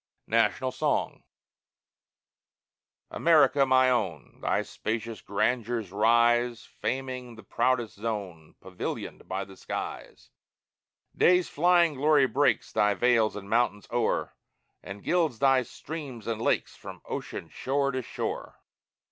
NATIONAL SONG America, my own! Thy spacious grandeurs rise Faming the proudest zone Pavilioned by the skies; Day's flying glory breaks Thy vales and mountains o'er, And gilds thy streams and lakes From ocean shore to shore.